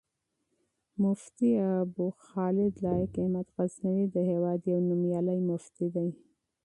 مفتي ابوخالد لائق احمد غزنوي، د هېواد يو نوميالی مفتی دی